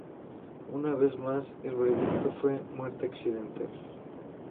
Una vez más, el veredicto fue "muerte accidental".